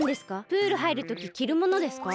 プールはいるとききるものですか？